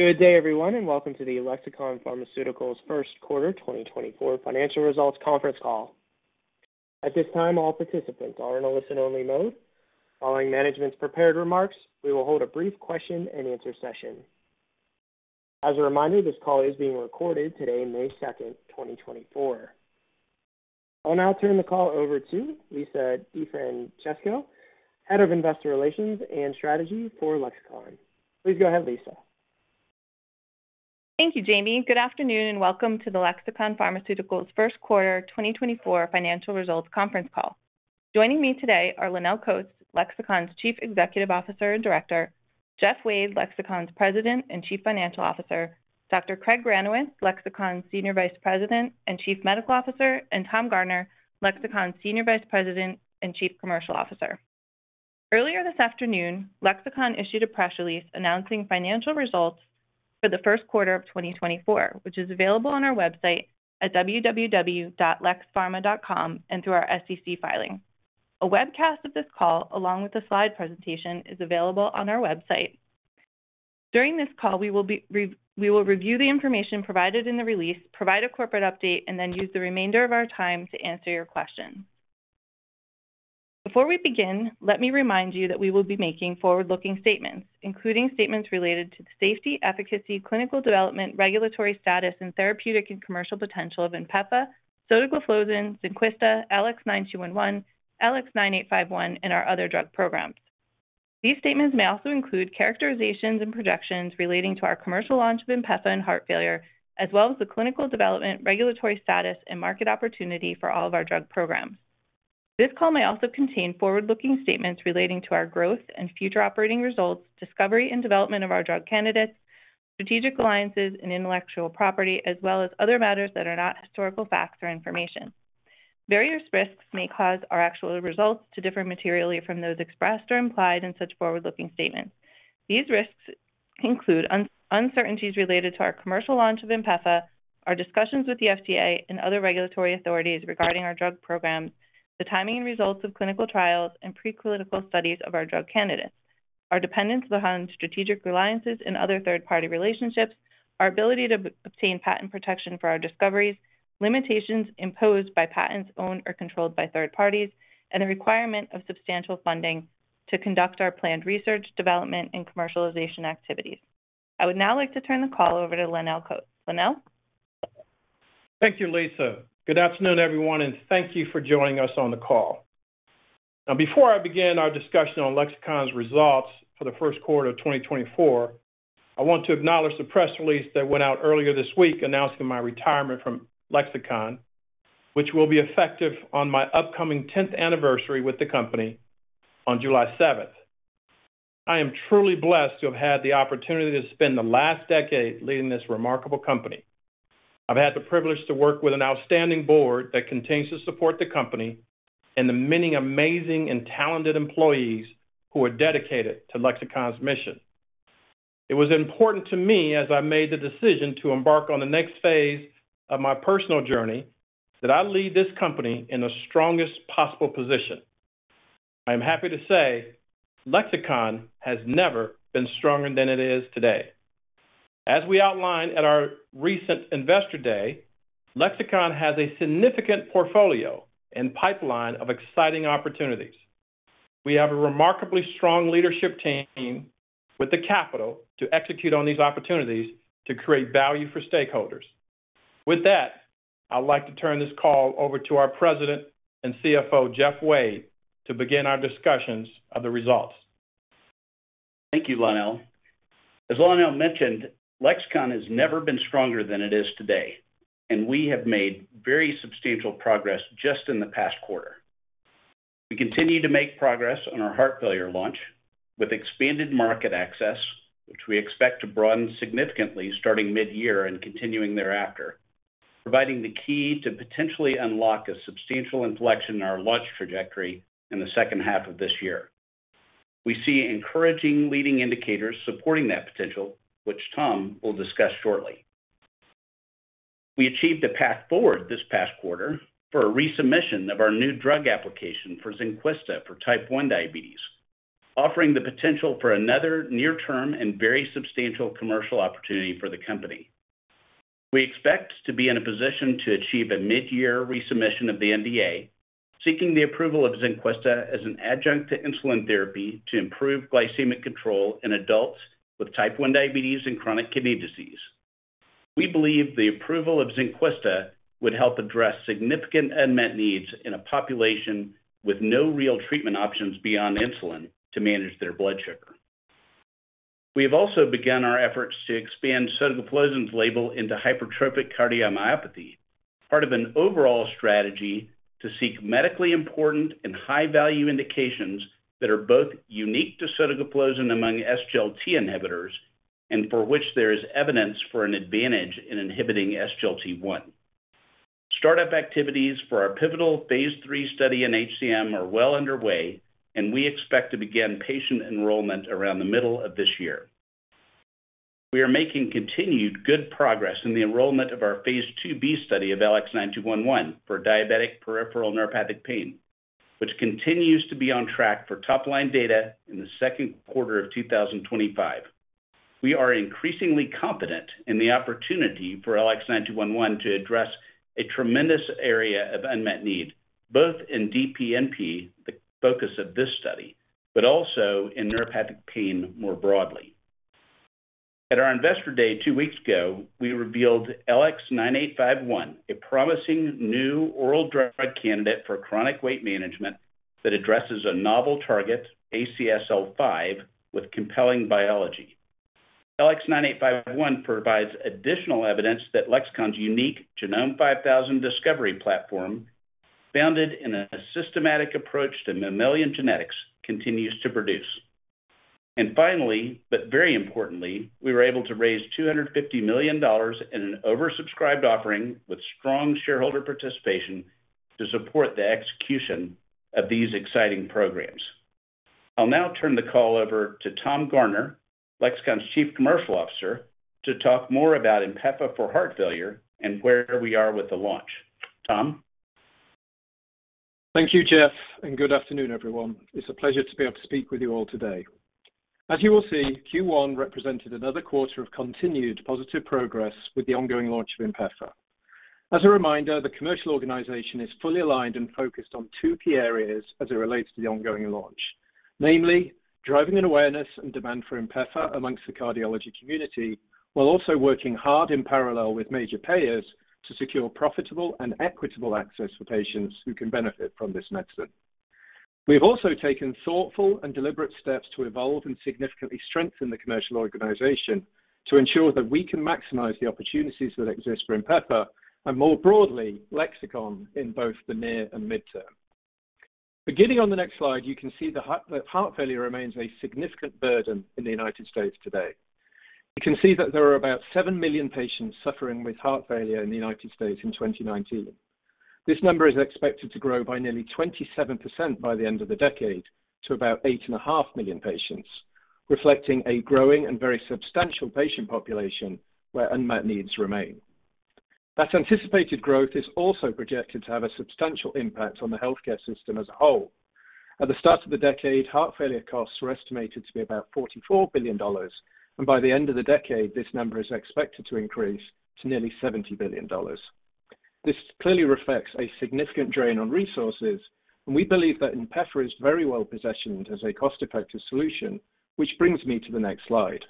Good day, everyone, and welcome to the Lexicon Pharmaceuticals first quarter 2024 financial results conference call. At this time, all participants are in a listen-only mode. Following management's prepared remarks, we will hold a brief question-and-answer session. As a reminder, this call is being recorded today, May 2, 2024. I'll now turn the call over to Lisa DeFrancesco, Head of Investor Relations and Strategy for Lexicon. Please go ahead, Lisa. Thank you, Jamie. Good afternoon and welcome to the Lexicon Pharmaceuticals first quarter 2024 financial results conference call. Joining me today are Lonnel Coats, Lexicon's Chief Executive Officer and Director; Jeff Wade, Lexicon's President and Chief Financial Officer; Dr. Craig Granowitz, Lexicon's Senior Vice President and Chief Medical Officer; and Tom Garner, Lexicon's Senior Vice President and Chief Commercial Officer. Earlier this afternoon, Lexicon issued a press release announcing financial results for the first quarter of 2024, which is available on our website at www.lexpharma.com and through our SEC filing. A webcast of this call, along with a slide presentation, is available on our website. During this call, we will review the information provided in the release, provide a corporate update, and then use the remainder of our time to answer your questions. Before we begin, let me remind you that we will be making forward-looking statements, including statements related to the safety, efficacy, clinical development, regulatory status, and therapeutic and commercial potential of INPEFA, sotagliflozin, Zynquista, LX9211, LX9851, and our other drug programs. These statements may also include characterizations and projections relating to our commercial launch of INPEFA and heart failure, as well as the clinical development, regulatory status, and market opportunity for all of our drug programs. This call may also contain forward-looking statements relating to our growth and future operating results, discovery and development of our drug candidates, strategic alliances and intellectual property, as well as other matters that are not historical facts or information. Various risks may cause our actual results to differ materially from those expressed or implied in such forward-looking statements. These risks include uncertainties related to our commercial launch of INPEFA, our discussions with the FDA and other regulatory authorities regarding our drug programs, the timing and results of clinical trials, and preclinical studies of our drug candidates, our dependence on strategic alliances and other third-party relationships, our ability to obtain patent protection for our discoveries, limitations imposed by patents owned or controlled by third parties, and the requirement of substantial funding to conduct our planned research, development, and commercialization activities. I would now like to turn the call over to Lonnel Coats. Lonnel? Thank you, Lisa. Good afternoon, everyone, and thank you for joining us on the call. Now, before I begin our discussion on Lexicon's results for the first quarter of 2024, I want to acknowledge the press release that went out earlier this week announcing my retirement from Lexicon, which will be effective on my upcoming 10th anniversary with the company on July 7th. I am truly blessed to have had the opportunity to spend the last decade leading this remarkable company. I've had the privilege to work with an outstanding board that continues to support the company and the many amazing and talented employees who are dedicated to Lexicon's mission. It was important to me as I made the decision to embark on the next phase of my personal journey that I lead this company in the strongest possible position. I am happy to say Lexicon has never been stronger than it is today. As we outlined at our recent Investor Day, Lexicon has a significant portfolio and pipeline of exciting opportunities. We have a remarkably strong leadership team with the capital to execute on these opportunities to create value for stakeholders. With that, I'd like to turn this call over to our President and CFO Jeff Wade to begin our discussions of the results Thank you, Lonnel. As Lonnel mentioned, Lexicon has never been stronger than it is today, and we have made very substantial progress just in the past quarter. We continue to make progress on our heart failure launch with expanded market access, which we expect to broaden significantly starting midyear and continuing thereafter, providing the key to potentially unlock a substantial inflection in our launch trajectory in the second half of this year. We see encouraging leading indicators supporting that potential, which Tom will discuss shortly. We achieved a path forward this past quarter for a resubmission of our New Drug Application for Zynquista for type 1 diabetes, offering the potential for another near-term and very substantial commercial opportunity for the company. We expect to be in a position to achieve a midyear resubmission of the NDA, seeking the approval of Zynquista as an adjunct to insulin therapy to improve glycemic control in adults with type 1 diabetes and chronic kidney disease. We believe the approval of Zynquista would help address significant unmet needs in a population with no real treatment options beyond insulin to manage their blood sugar. We have also begun our efforts to expand sotagliflozin's label into hypertrophic cardiomyopathy, part of an overall strategy to seek medically important and high-value indications that are both unique to sotagliflozin among SGLT inhibitors and for which there is evidence for an advantage in inhibiting SGLT1. Startup activities for our pivotal phase III study in HCM are well underway, and we expect to begin patient enrollment around the middle of this year. We are making continued good progress in the enrollment of our phase II-B study of LX9211 for diabetic peripheral neuropathic pain, which continues to be on track for top-line data in the second quarter of 2025. We are increasingly confident in the opportunity for LX9211 to address a tremendous area of unmet need, both in DPNP, the focus of this study, but also in neuropathic pain more broadly. At our Investor Day two weeks ago, we revealed LX9851, a promising new oral drug candidate for chronic weight management that addresses a novel target, ACSL5, with compelling biology. LX9851 provides additional evidence that Lexicon's unique Genome5000 discovery platform, founded in a systematic approach to mammalian genetics, continues to produce. And finally, but very importantly, we were able to raise $250 million in an oversubscribed offering with strong shareholder participation to support the execution of these exciting programs. I'll now turn the call over to Tom Garner, Lexicon's Chief Commercial Officer, to talk more about INPEFA for heart failure and where we are with the launch. Tom? Thank you, Jeff, and good afternoon, everyone. It's a pleasure to be able to speak with you all today. As you will see, Q1 represented another quarter of continued positive progress with the ongoing launch of INPEFA. As a reminder, the commercial organization is fully aligned and focused on two key areas as it relates to the ongoing launch, namely driving an awareness and demand for INPEFA amongst the cardiology community while also working hard in parallel with major payers to secure profitable and equitable access for patients who can benefit from this medicine. We have also taken thoughtful and deliberate steps to evolve and significantly strengthen the commercial organization to ensure that we can maximize the opportunities that exist for INPEFA and, more broadly, Lexicon in both the near and mid-term. Beginning on the next slide, you can see that heart failure remains a significant burden in the United States today. You can see that there are about 7 million patients suffering with heart failure in the United States in 2019. This number is expected to grow by nearly 27% by the end of the decade to about 8.5 million patients, reflecting a growing and very substantial patient population where unmet needs remain. That anticipated growth is also projected to have a substantial impact on the healthcare system as a whole. At the start of the decade, heart failure costs were estimated to be about $44 billion, and by the end of the decade, this number is expected to increase to nearly $70 billion. This clearly reflects a significant drain on resources, and we believe that INPEFA is very well positioned as a cost-effective solution, which brings me to the next slide.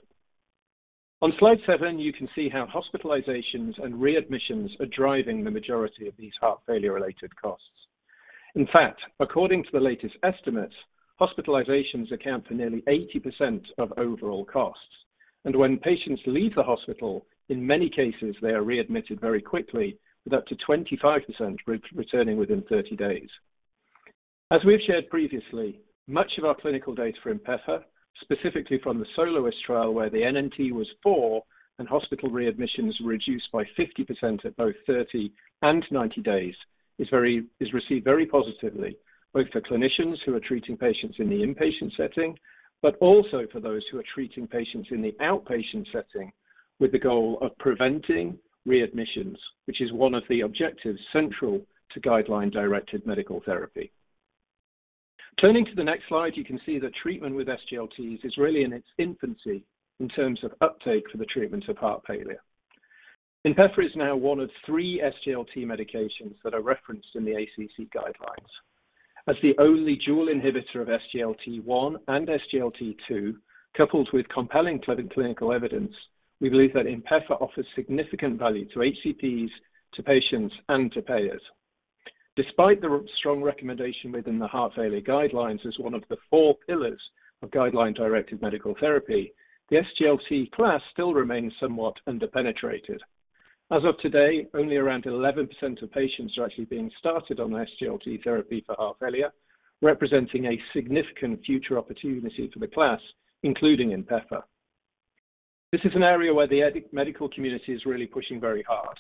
On slide seven, you can see how hospitalizations and readmissions are driving the majority of these heart failure-related costs. In fact, according to the latest estimates, hospitalizations account for nearly 80% of overall costs, and when patients leave the hospital, in many cases, they are readmitted very quickly with up to 25% returning within 30 days. As we have shared previously, much of our clinical data for INPEFA, specifically from the SOLOIST trial where the NNT was four and hospital readmissions were reduced by 50% at both 30 and 90 days, is received very positively both for clinicians who are treating patients in the inpatient setting but also for those who are treating patients in the outpatient setting with the goal of preventing readmissions, which is one of the objectives central to guideline-directed medical therapy. Turning to the next slide, you can see that treatment with SGLTs is really in its infancy in terms of uptake for the treatment of heart failure. INPEFA is now one of three SGLT medications that are referenced in the ACC guidelines. As the only dual inhibitor of SGLT1 and SGLT2, coupled with compelling clinical evidence, we believe that INPEFA offers significant value to HCPs, to patients, and to payers. Despite the strong recommendation within the heart failure guidelines as one of the four pillars of guideline-directed medical therapy, the SGLT class still remains somewhat underpenetrated. As of today, only around 11% of patients are actually being started on SGLT therapy for heart failure, representing a significant future opportunity for the class, including INPEFA. This is an area where the medical community is really pushing very hard.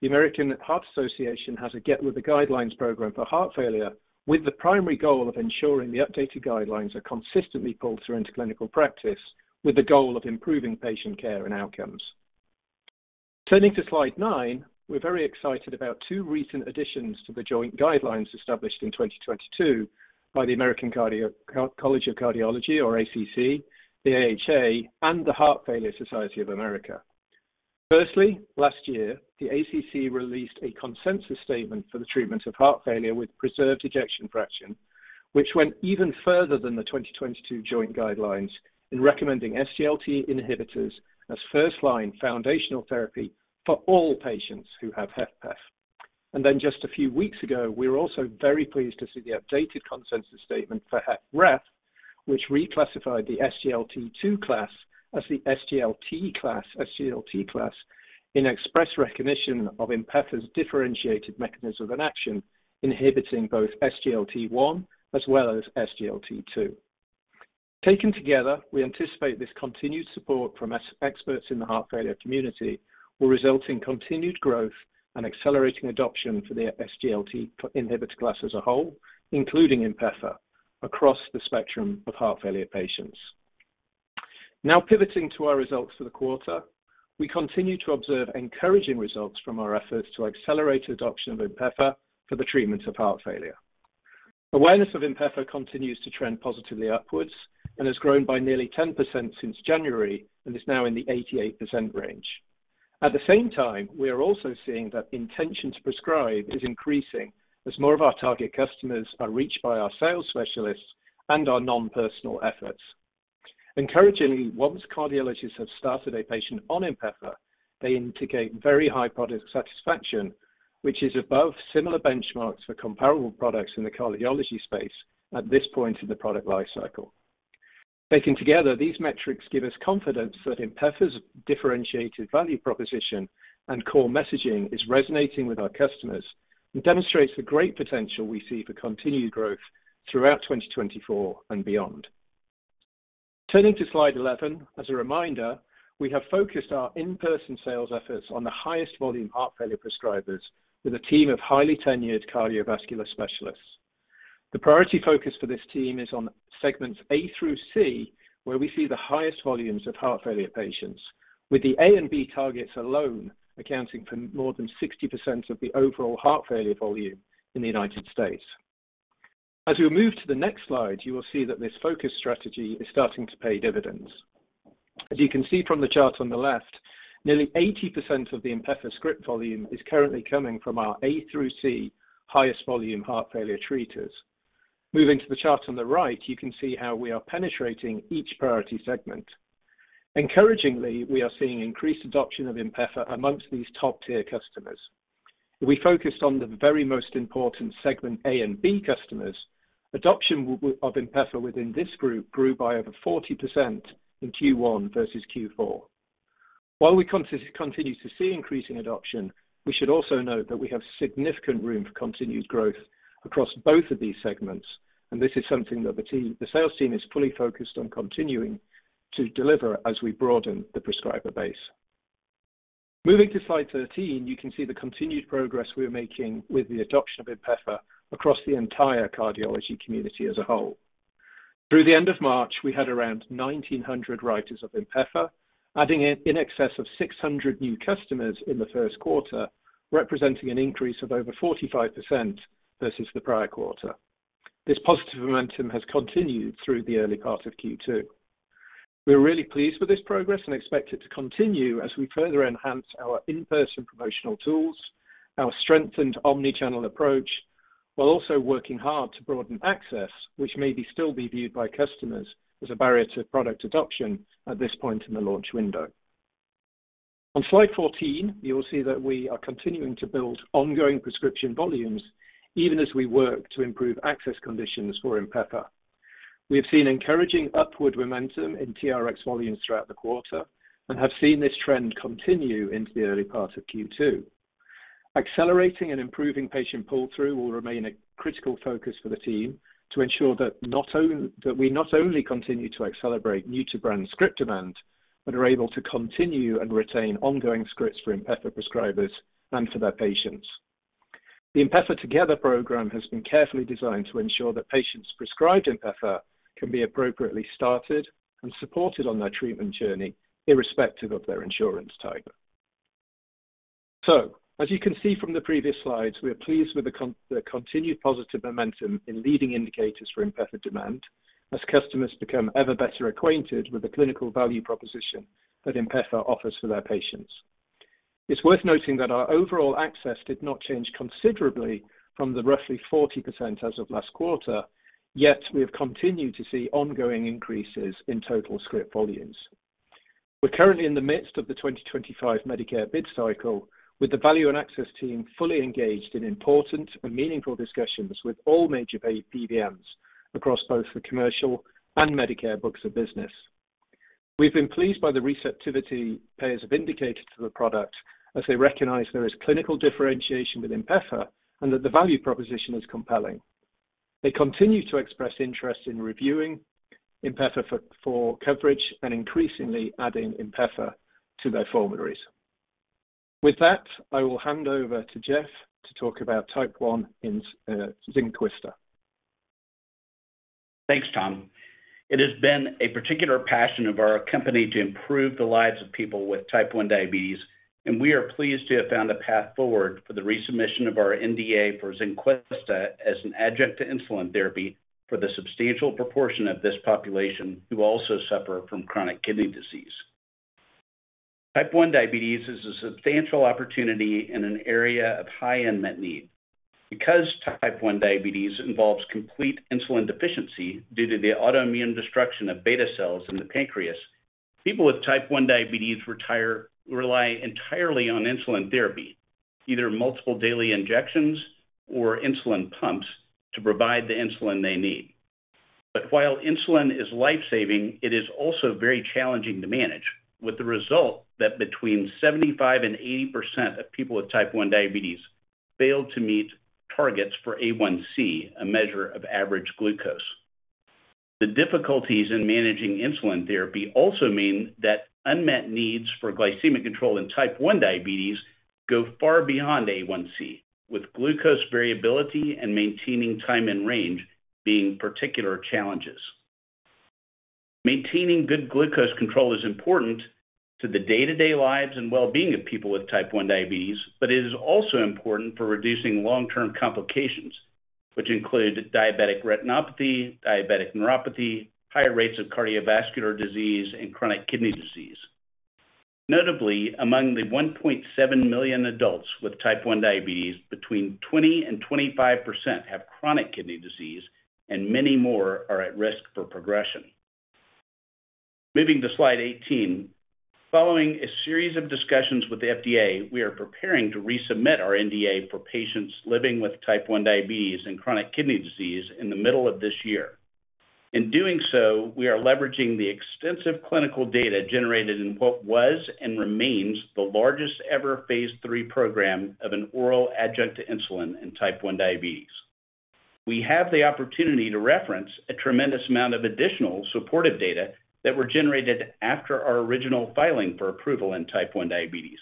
The American Heart Association has a Get With The Guidelines program for heart failure with the primary goal of ensuring the updated guidelines are consistently pulled through into clinical practice with the goal of improving patient care and outcomes. Turning to slide nine, we're very excited about two recent additions to the joint guidelines established in 2022 by the American College of Cardiology, or ACC, the AHA, and the Heart Failure Society of America. Firstly, last year, the ACC released a consensus statement for the treatment of heart failure with preserved ejection fraction, which went even further than the 2022 joint guidelines in recommending SGLT inhibitors as first-line foundational therapy for all patients who have HFpEF. And then just a few weeks ago, we were also very pleased to see the updated consensus statement for HFrEF, which reclassified the SGLT2 class as the SGLT class, SGLT class, in express recognition of INPEFA's differentiated mechanism of action inhibiting both SGLT1 as well as SGLT2. Taken together, we anticipate this continued support from experts in the heart failure community will result in continued growth and accelerating adoption for the SGLT inhibitor class as a whole, including INPEFA, across the spectrum of heart failure patients. Now, pivoting to our results for the quarter, we continue to observe encouraging results from our efforts to accelerate adoption of INPEFA for the treatment of heart failure. Awareness of INPEFA continues to trend positively upwards and has grown by nearly 10% since January and is now in the 88% range. At the same time, we are also seeing that intention to prescribe is increasing as more of our target customers are reached by our sales specialists and our non-personal efforts. Encouragingly, once cardiologists have started a patient on INPEFA, they indicate very high product satisfaction, which is above similar benchmarks for comparable products in the cardiology space at this point in the product life cycle. Taken together, these metrics give us confidence that INPEFA's differentiated value proposition and core messaging is resonating with our customers and demonstrates the great potential we see for continued growth throughout 2024 and beyond. Turning to slide 11, as a reminder, we have focused our in-person sales efforts on the highest volume heart failure prescribers with a team of highly tenured cardiovascular specialists. The priority focus for this team is on segments A through C, where we see the highest volumes of heart failure patients, with the A and B targets alone accounting for more than 60% of the overall heart failure volume in the United States. As we move to the next slide, you will see that this focus strategy is starting to pay dividends. As you can see from the chart on the left, nearly 80% of the INPEFA script volume is currently coming from our A through C highest volume heart failure treaters. Moving to the chart on the right, you can see how we are penetrating each priority segment. Encouragingly, we are seeing increased adoption of INPEFA among these top-tier customers. If we focused on the very most important segment A and B customers, adoption of INPEFA within this group grew by over 40% in Q1 versus Q4. While we continue to see increasing adoption, we should also note that we have significant room for continued growth across both of these segments, and this is something that the sales team is fully focused on continuing to deliver as we broaden the prescriber base. Moving to slide 13, you can see the continued progress we are making with the adoption of INPEFA across the entire cardiology community as a whole. Through the end of March, we had around 1,900 writers of INPEFA, adding in excess of 600 new customers in the first quarter, representing an increase of over 45% versus the prior quarter. This positive momentum has continued through the early part of Q2. We are really pleased with this progress and expect it to continue as we further enhance our in-person promotional tools, our strengthened omnichannel approach, while also working hard to broaden access, which may still be viewed by customers as a barrier to product adoption at this point in the launch window. On slide 14, you will see that we are continuing to build ongoing prescription volumes even as we work to improve access conditions for INPEFA. We have seen encouraging upward momentum in TRX volumes throughout the quarter and have seen this trend continue into the early part of Q2. Accelerating and improving patient pull-through will remain a critical focus for the team to ensure that we not only continue to accelerate new-to-brand script demand but are able to continue and retain ongoing scripts for INPEFA prescribers and for their patients. The INPEFA Together program has been carefully designed to ensure that patients prescribed INPEFA can be appropriately started and supported on their treatment journey, irrespective of their insurance type. So, as you can see from the previous slides, we are pleased with the continued positive momentum in leading indicators for INPEFA demand as customers become ever better acquainted with the clinical value proposition that INPEFA offers for their patients. It's worth noting that our overall access did not change considerably from the roughly 40% as of last quarter, yet we have continued to see ongoing increases in total script volumes. We're currently in the midst of the 2025 Medicare bid cycle, with the value and access team fully engaged in important and meaningful discussions with all major PBMs across both the commercial and Medicare books of business. We've been pleased by the receptivity payers have indicated to the product as they recognize there is clinical differentiation with INPEFA and that the value proposition is compelling. They continue to express interest in reviewing INPEFA for coverage and increasingly adding INPEFA to their formularies. With that, I will hand over to Jeff to talk about type 1 in Zynquista. Thanks, Tom. It has been a particular passion of our company to improve the lives of people with type 1 diabetes, and we are pleased to have found a path forward for the resubmission of our NDA for Zynquista as an adjunct to insulin therapy for the substantial proportion of this population who also suffer from chronic kidney disease. Type 1 diabetes is a substantial opportunity in an area of high unmet need. Because type 1 diabetes involves complete insulin deficiency due to the autoimmune destruction of beta cells in the pancreas, people with type 1 diabetes rely entirely on insulin therapy, either multiple daily injections or insulin pumps to provide the insulin they need. But while insulin is lifesaving, it is also very challenging to manage, with the result that between 75%-80% of people with type 1 diabetes fail to meet targets for A1c, a measure of average glucose. The difficulties in managing insulin therapy also mean that unmet needs for glycemic control in type 1 diabetes go far beyond A1c, with glucose variability and maintaining time in range being particular challenges. Maintaining good glucose control is important to the day-to-day lives and well-being of people with type 1 diabetes, but it is also important for reducing long-term complications, which include diabetic retinopathy, diabetic neuropathy, higher rates of cardiovascular disease, and chronic kidney disease. Notably, among the 1.7 million adults with type 1 diabetes, between 20%-25% have chronic kidney disease, and many more are at risk for progression. Moving to slide 18, following a series of discussions with the FDA, we are preparing to resubmit our NDA for patients living with type 1 diabetes and chronic kidney disease in the middle of this year. In doing so, we are leveraging the extensive clinical data generated in what was and remains the largest-ever phase III program of an oral adjunct to insulin in type 1 diabetes. We have the opportunity to reference a tremendous amount of additional supportive data that were generated after our original filing for approval in type 1 diabetes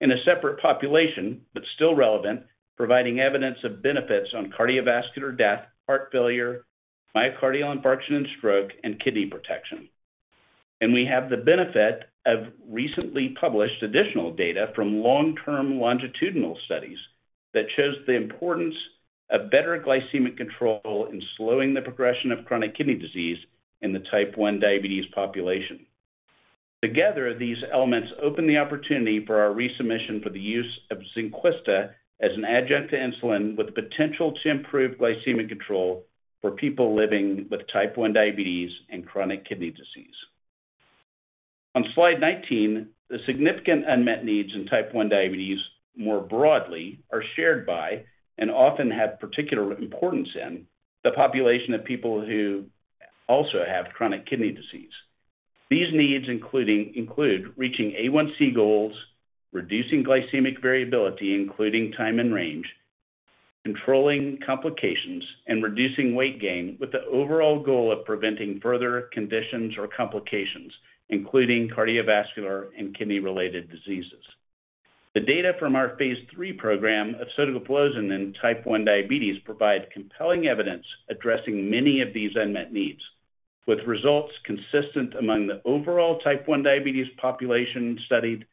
in a separate population but still relevant, providing evidence of benefits on cardiovascular death, heart failure, myocardial infarction and stroke, and kidney protection. And we have the benefit of recently published additional data from long-term longitudinal studies that shows the importance of better glycemic control in slowing the progression of chronic kidney disease in the type 1 diabetes population. Together, these elements open the opportunity for our resubmission for the use of Zynquista as an adjunct to insulin with the potential to improve glycemic control for people living with type 1 diabetes and chronic kidney disease. On slide 19, the significant unmet needs in type 1 diabetes more broadly are shared by and often have particular importance in the population of people who also have chronic kidney disease. These needs include reaching A1c goals, reducing glycemic variability, including time in range, controlling complications, and reducing weight gain with the overall goal of preventing further conditions or complications, including cardiovascular and kidney-related diseases. The data from our phase III program of sotagliflozin in type 1 diabetes provide compelling evidence addressing many of these unmet needs, with results consistent among the overall type 1 diabetes population studied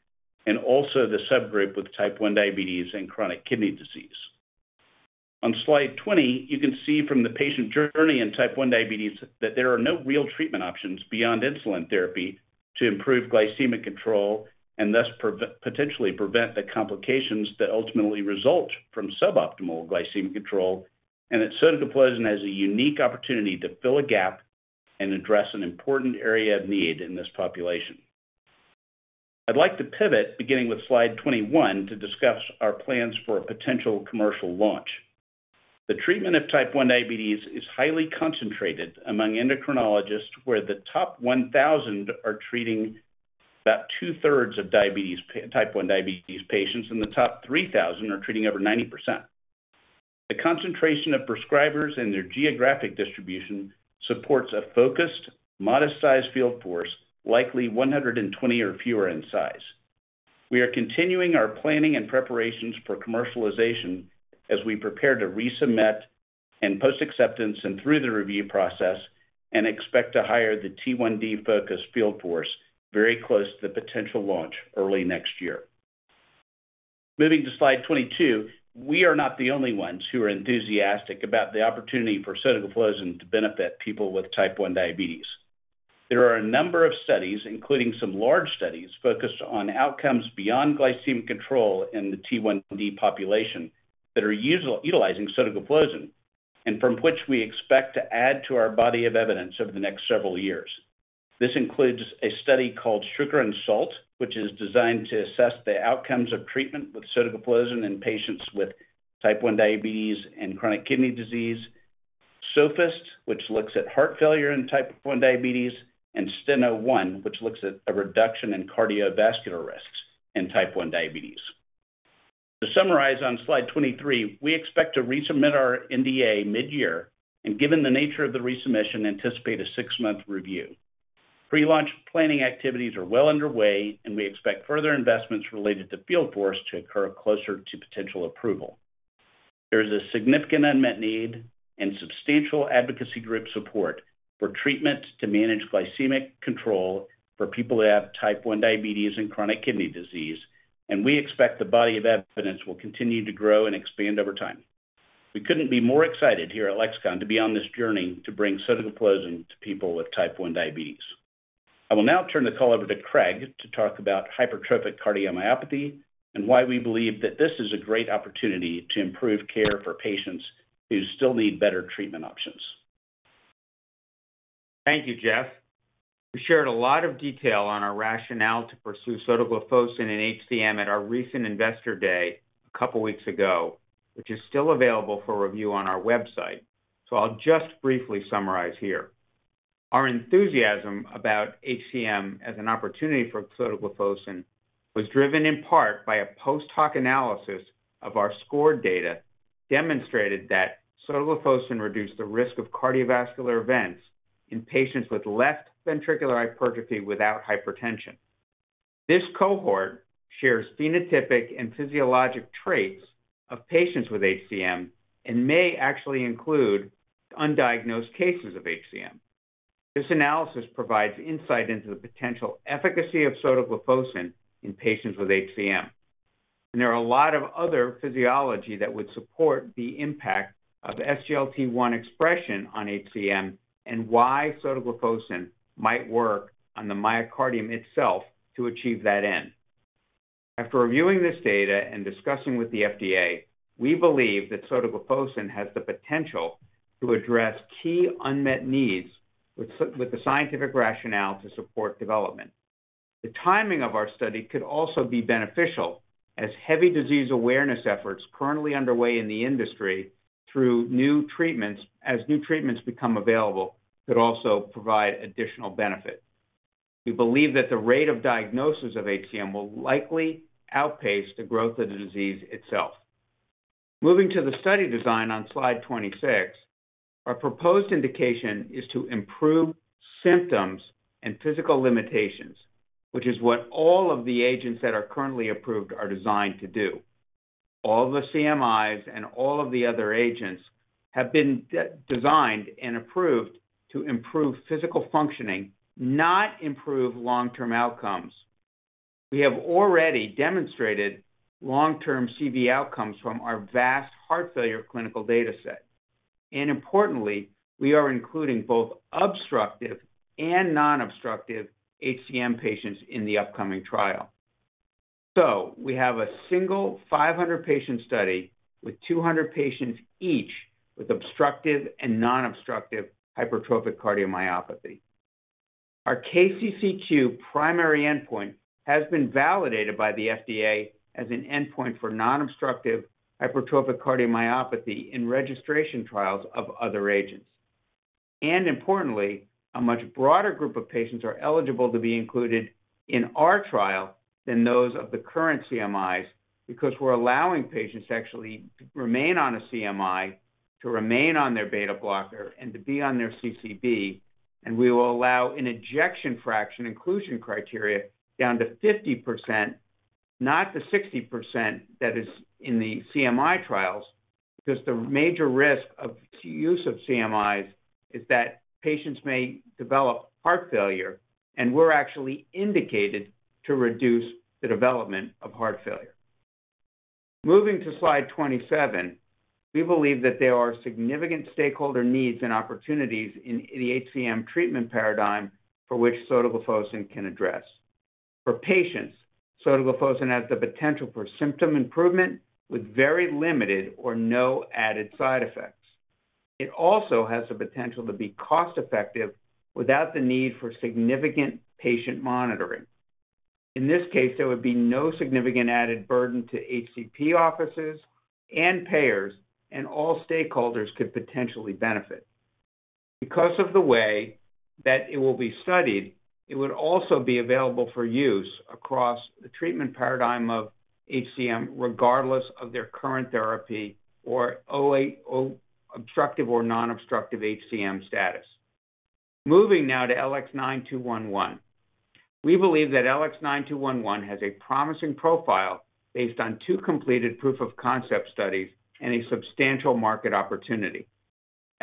and also the subgroup with type 1 diabetes and chronic kidney disease. On slide 20, you can see from the patient journey in type 1 diabetes that there are no real treatment options beyond insulin therapy to improve glycemic control and thus potentially prevent the complications that ultimately result from suboptimal glycemic control, and that sotagliflozin has a unique opportunity to fill a gap and address an important area of need in this population. I'd like to pivot, beginning with slide 21, to discuss our plans for a potential commercial launch. The treatment of type 1 diabetes is highly concentrated among endocrinologists, where the top 1,000 are treating about two-thirds of type 1 diabetes patients, and the top 3,000 are treating over 90%. The concentration of prescribers in their geographic distribution supports a focused, modest-sized field force, likely 120 or fewer in size. We are continuing our planning and preparations for commercialization as we prepare to resubmit and post-acceptance and through the review process, and expect to hire the T1D-focused field force very close to the potential launch early next year. Moving to slide 22, we are not the only ones who are enthusiastic about the opportunity for sotagliflozin to benefit people with type 1 diabetes. There are a number of studies, including some large studies focused on outcomes beyond glycemic control in the T1D population that are utilizing sotagliflozin, and from which we expect to add to our body of evidence over the next several years. This includes a study called Sugar and Salt, which is designed to assess the outcomes of treatment with sotagliflozin in patients with type 1 diabetes and chronic kidney disease. SOFAST, which looks at heart failure in type 1 diabetes. And STENO1, which looks at a reduction in cardiovascular risks in type 1 diabetes. To summarize, on slide 23, we expect to resubmit our NDA mid-year and, given the nature of the resubmission, anticipate a six-month review. Pre-launch planning activities are well underway, and we expect further investments related to field force to occur closer to potential approval. There is a significant unmet need and substantial advocacy group support for treatment to manage glycemic control for people who have type 1 diabetes and chronic kidney disease, and we expect the body of evidence will continue to grow and expand over time. We couldn't be more excited here at Lexicon to be on this journey to bring sotagliflozin to people with type 1 diabetes. I will now turn the call over to Craig to talk about hypertrophic cardiomyopathy and why we believe that this is a great opportunity to improve care for patients who still need better treatment options. Thank you, Jeff. We shared a lot of detail on our rationale to pursue sotagliflozin in an HCM at our recent Investor Day a couple of weeks ago, which is still available for review on our website. So I'll just briefly summarize here. Our enthusiasm about HCM as an opportunity for sotagliflozin was driven in part by a post-hoc analysis of our SCORED data demonstrated that sotagliflozin reduced the risk of cardiovascular events in patients with left ventricular hypertrophy without hypertension. This cohort shares phenotypic and physiologic traits of patients with HCM and may actually include undiagnosed cases of HCM. This analysis provides insight into the potential efficacy of sotagliflozin in patients with HCM. And there are a lot of other physiology that would support the impact of SGLT1 expression on HCM and why sotagliflozin might work on the myocardium itself to achieve that end. After reviewing this data and discussing with the FDA, we believe that sotagliflozin has the potential to address key unmet needs with the scientific rationale to support development. The timing of our study could also be beneficial as heavy disease awareness efforts currently underway in the industry through new treatments as new treatments become available could also provide additional benefit. We believe that the rate of diagnosis of HCM will likely outpace the growth of the disease itself. Moving to the study design on slide 26, our proposed indication is to improve symptoms and physical limitations, which is what all of the agents that are currently approved are designed to do. All of the CMIs and all of the other agents have been designed and approved to improve physical functioning, not improve long-term outcomes. We have already demonstrated long-term CV outcomes from our vast heart failure clinical dataset. Importantly, we are including both obstructive and non-obstructive HCM patients in the upcoming trial. We have a single 500-patient study with 200 patients each with obstructive and non-obstructive hypertrophic cardiomyopathy. Our KCCQ primary endpoint has been validated by the FDA as an endpoint for non-obstructive hypertrophic cardiomyopathy in registration trials of other agents. Importantly, a much broader group of patients are eligible to be included in our trial than those of the current CMIs because we're allowing patients actually to remain on a CMI, to remain on their beta blocker, and to be on their CCB. We will allow an ejection fraction inclusion criteria down to 50%, not the 60% that is in the CMI trials because the major risk of use of CMIs is that patients may develop heart failure, and we're actually indicated to reduce the development of heart failure. Moving to slide 27, we believe that there are significant stakeholder needs and opportunities in the HCM treatment paradigm for which sotagliflozin can address. For patients, sotagliflozin has the potential for symptom improvement with very limited or no added side effects. It also has the potential to be cost-effective without the need for significant patient monitoring. In this case, there would be no significant added burden to HCP offices and payers, and all stakeholders could potentially benefit. Because of the way that it will be studied, it would also be available for use across the treatment paradigm of HCM regardless of their current therapy or obstructive or non-obstructive HCM status. Moving now to LX9211. We believe that LX9211 has a promising profile based on two completed proof-of-concept studies and a substantial market opportunity.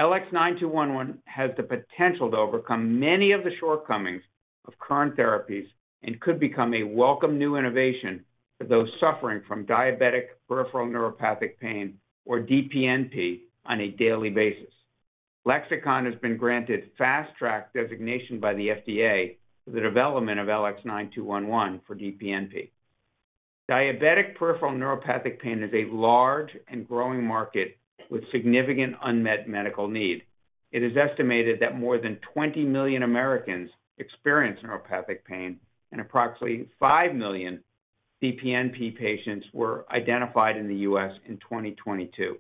LX9211 has the potential to overcome many of the shortcomings of current therapies and could become a welcome new innovation for those suffering from diabetic peripheral neuropathic pain or DPNP on a daily basis. Lexicon has been granted fast-track designation by the FDA for the development of LX9211 for DPNP. Diabetic peripheral neuropathic pain is a large and growing market with significant unmet medical need. It is estimated that more than 20 million Americans experience neuropathic pain, and approximately 5 million DPNP patients were identified in the U.S. in 2022.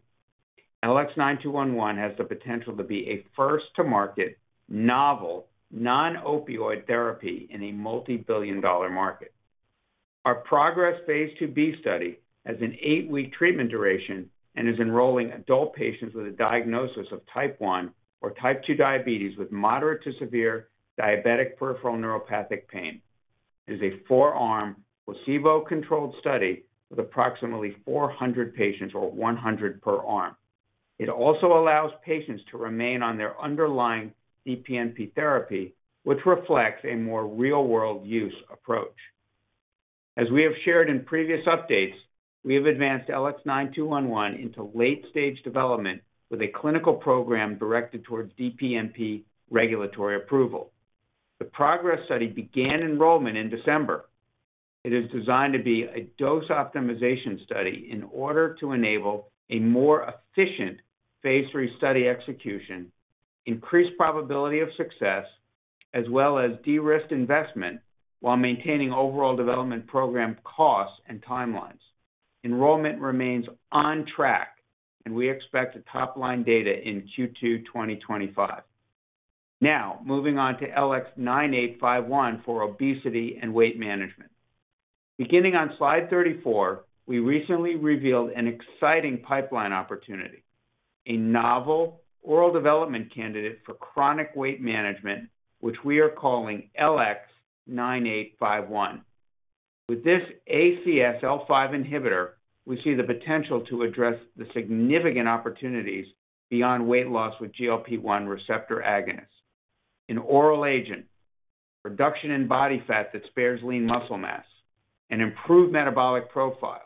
LX9211 has the potential to be a first-to-market novel non-opioid therapy in a multibillion-dollar market. Our PROGRESS phase II-B study has an eight-week treatment duration and is enrolling adult patients with a diagnosis of type 1 or type 2 diabetes with moderate to severe diabetic peripheral neuropathic pain. It is a four-arm placebo-controlled study with approximately 400 patients or 100 per arm. It also allows patients to remain on their underlying DPNP therapy, which reflects a more real-world use approach. As we have shared in previous updates, we have advanced LX9211 into late-stage development with a clinical program directed towards DPNP regulatory approval. The PROGRESS study began enrollment in December. It is designed to be a dose optimization study in order to enable a more efficient phase III study execution, increased probability of success, as well as de-risk investment while maintaining overall development program costs and timelines. Enrollment remains on track, and we expect top-line data in Q2 2025. Now, moving on to LX9851 for obesity and weight management. Beginning on slide 34, we recently revealed an exciting pipeline opportunity: a novel oral development candidate for chronic weight management, which we are calling LX9851. With this ACSL5 inhibitor, we see the potential to address the significant opportunities beyond weight loss with GLP-1 receptor agonists. An oral agent, reduction in body fat that spares lean muscle mass, an improved metabolic profile,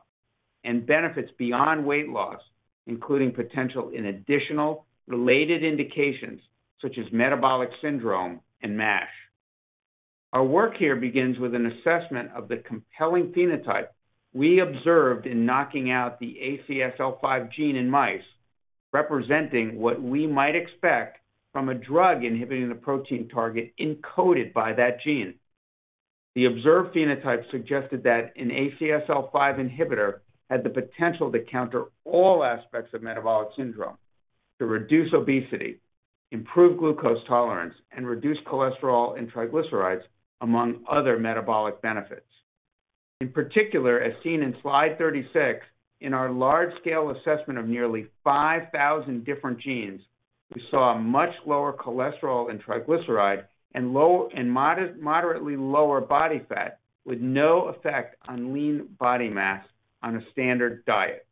and benefits beyond weight loss, including potential in additional related indications such as metabolic syndrome and MASH. Our work here begins with an assessment of the compelling phenotype we observed in knocking out the ACSL5 gene in mice, representing what we might expect from a drug inhibiting the protein target encoded by that gene. The observed phenotype suggested that an ACSL5 inhibitor had the potential to counter all aspects of metabolic syndrome, to reduce obesity, improve glucose tolerance, and reduce cholesterol and triglycerides, among other metabolic benefits. In particular, as seen in slide 36, in our large-scale assessment of nearly 5,000 different genes, we saw a much lower cholesterol and triglyceride and moderately lower body fat with no effect on lean body mass on a standard diet.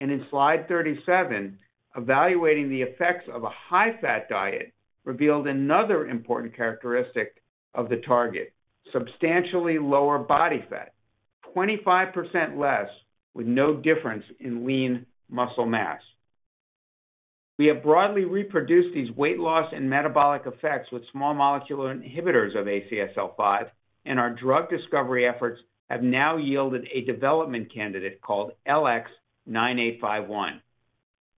In slide 37, evaluating the effects of a high-fat diet revealed another important characteristic of the target: substantially lower body fat, 25% less, with no difference in lean muscle mass. We have broadly reproduced these weight loss and metabolic effects with small molecule inhibitors of ACSL5, and our drug discovery efforts have now yielded a development candidate called LX9851.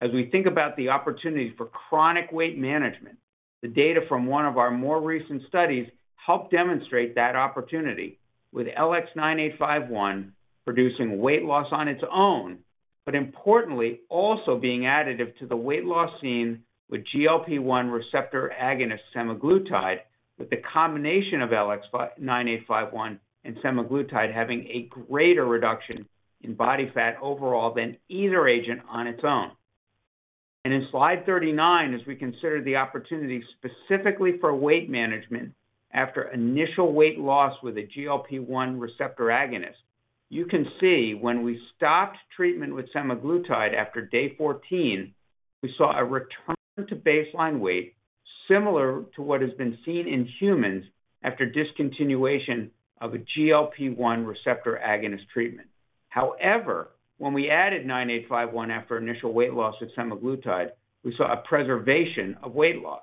As we think about the opportunity for chronic weight management, the data from one of our more recent studies helped demonstrate that opportunity, with LX9851 producing weight loss on its own, but importantly, also being additive to the weight loss seen with GLP-1 receptor agonist semaglutide, with the combination of LX9851 and semaglutide having a greater reduction in body fat overall than either agent on its own. In slide 39, as we consider the opportunity specifically for weight management after initial weight loss with a GLP-1 receptor agonist, you can see when we stopped treatment with semaglutide after day 14, we saw a return to baseline weight similar to what has been seen in humans after discontinuation of a GLP-1 receptor agonist treatment. However, when we added 9851 after initial weight loss with semaglutide, we saw a preservation of weight loss.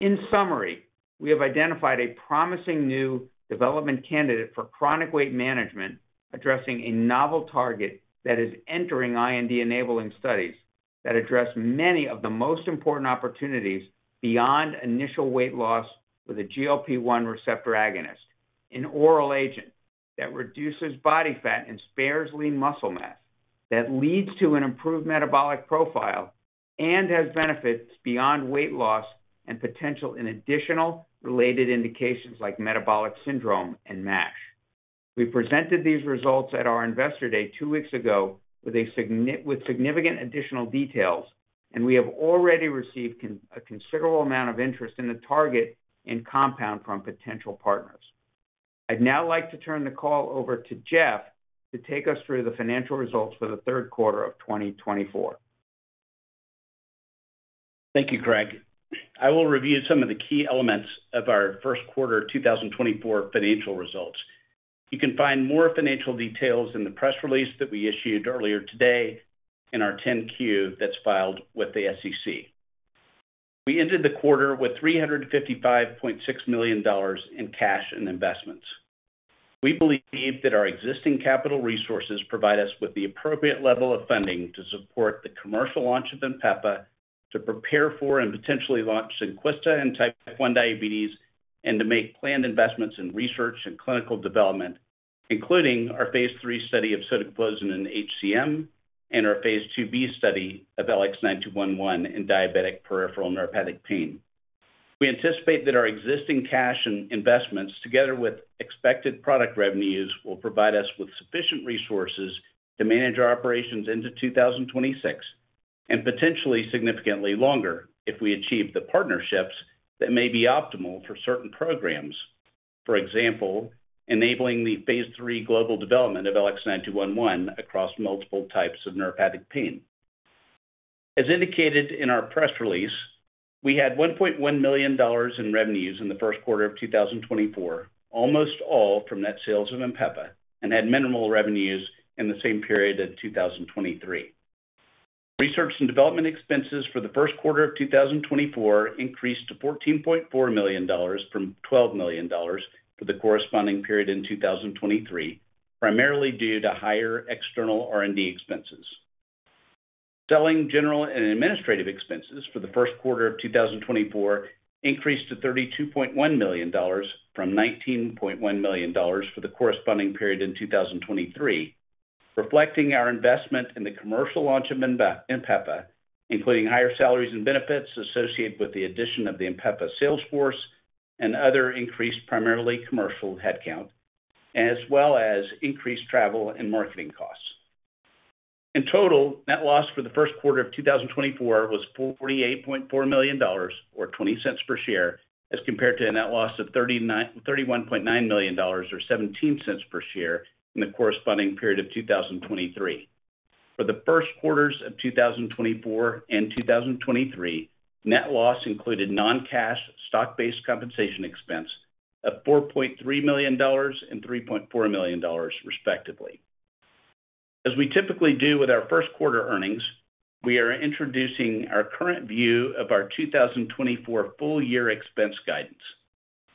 In summary, we have identified a promising new development candidate for chronic weight management addressing a novel target that is entering IND-enabling studies that address many of the most important opportunities beyond initial weight loss with a GLP-1 receptor agonist, an oral agent that reduces body fat and spares lean muscle mass, that leads to an improved metabolic profile and has benefits beyond weight loss and potential in additional related indications like metabolic syndrome and MASH. We presented these results at our Investor Day two weeks ago with significant additional details, and we have already received a considerable amount of interest in the target and compound from potential partners. I'd now like to turn the call over to Jeff to take us through the financial results for the third quarter of 2024. Thank you, Craig. I will review some of the key elements of our first quarter 2024 financial results. You can find more financial details in the press release that we issued earlier today in our 10-Q that's filed with the SEC. We ended the quarter with $355.6 million in cash and investments. We believe that our existing capital resources provide the company with the appropriate level of funding to support the commercial launch of INPEFA, to prepare for and potentially launch Zynquista and type 1 diabetes, and to make planned investments in research and clinical development, including our phase III study of sotagliflozin in HCM and our phase II-B study of LX9211 in diabetic peripheral neuropathic pain. We anticipate that our existing cash and investments, together with expected product revenues, will provide us with sufficient resources to manage our operations into 2026 and potentially significantly longer if we achieve the partnerships that may be optimal for certain programs, for example, enabling the phase III global development of LX9211 across multiple types of neuropathic pain. As indicated in our press release, we had $1.1 million in revenues in the first quarter of 2024, almost all from net sales of INPEFA, and had minimal revenues in the same period of 2023. Research and development expenses for the first quarter of 2024 increased to $14.4 million from $12 million for the corresponding period in 2023, primarily due to higher external R&D expenses. Selling general and administrative expenses for the first quarter of 2024 increased to $32.1 million from $19.1 million for the corresponding period in 2023, reflecting our investment in the commercial launch of INPEFA, including higher salaries and benefits associated with the addition of the INPEFA salesforce and other increased, primarily commercial, headcount, as well as increased travel and marketing costs. In total, net loss for the first quarter of 2024 was $48.4 million or $0.20 per share as compared to a net loss of $31.9 million or $0.17 per share in the corresponding period of 2023. For the first quarters of 2024 and 2023, net loss included non-cash stock-based compensation expense of $4.3 million and $3.4 million, respectively. As we typically do with our first quarter earnings, we are introducing our current view of our 2024 full-year expense guidance.